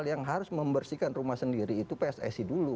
yang harus membersihkan rumah sendiri itu pssi dulu